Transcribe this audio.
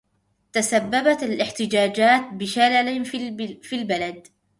تسبّبت الاحتجاجات بشلل في البلد.